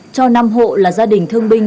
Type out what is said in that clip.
cho năm hộ là gia đình thương binh